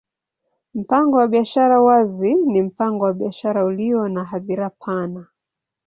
Mpango wa biashara wazi ni mpango wa biashara ulio na hadhira pana.